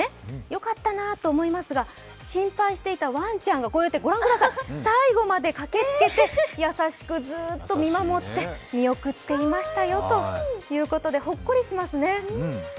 よかったなと思うんですが、心配していたワンちゃんが最後まで駆けつけて優しくずーっと見守って見送っていましたよということでほっこりしますね。